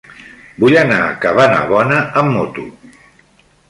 Vull anar a Cabanabona amb moto.